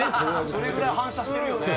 それぐらい反射してるよね。